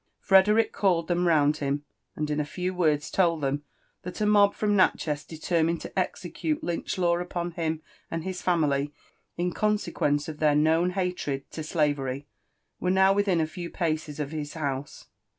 Frederick called them round him, and in few words told them that a mob from Natchez, determined to execute Lynch Iaw upon him and his family in consequence of liietr known hatred to slavery, were now wilhin a few paces of his house.